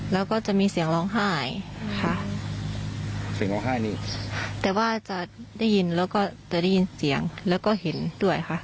แล้วก็จะมีเสียงร้องไห้ค่ะเสียงร้องไห้นี่แต่ว่าจะได้ยินแล้วก็จะได้ยินเสียงแล้วก็เห็นด้วยค่ะ